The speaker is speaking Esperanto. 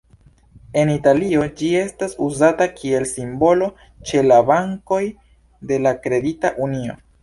En Italio ĝi estas uzata kiel simbolo ĉe la bankoj de la Kredita Unio.